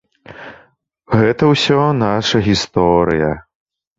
Гэта ўсё наша гісторыя.